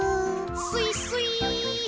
スイスイ。